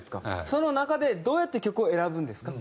その中でどうやって曲を選ぶんですか？